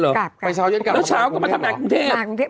อ๋อพี่กลับไปนอนบางแสนเหรอแล้วเช้ากลับมาทำงานกรุงเทพฯ